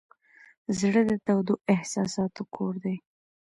زړه د تودو احساساتو کور دی.